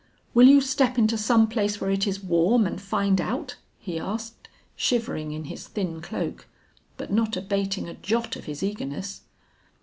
'Will you step into some place where it is warm and find out?' he asked, shivering in his thin cloak, but not abating a jot of his eagerness.